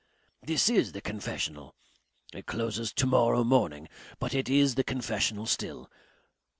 "This IS the confessional. It closes to morrow morning but it is the confessional still.